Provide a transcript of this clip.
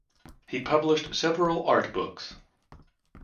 He published several art books.